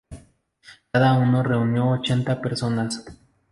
Cada uno reunió ochenta personas.